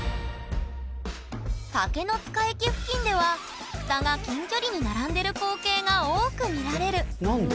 竹の塚駅付近では蓋が近距離に並んでる光景が多く見られる何で？